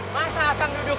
masa akang duduk